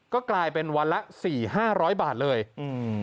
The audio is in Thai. ก็กลายเป็นวันละสี่ห้าร้อยบาทเลยอืม